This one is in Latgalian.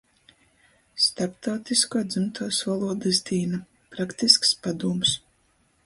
Starptautiskuo dzymtuos volūdys dīna... Praktisks padūms